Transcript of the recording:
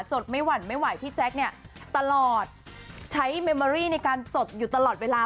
สดไม่หวั่นไม่ไหวพี่แจ๊คเนี่ยตลอดใช้เมมอรี่ในการจดอยู่ตลอดเวลา